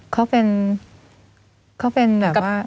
เขาเป็นเขาเป็นแบบว่า